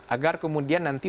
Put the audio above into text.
agar kemudian nanti